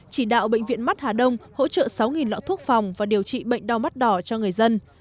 chỉ đạo bệnh viện mắt hà đông hỗ trợ sáu lọ thuốc phòng và điều trị bệnh đau mắt đỏ cho người dân